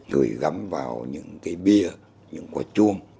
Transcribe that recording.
gửi gắm vào những cái bia những quả chuông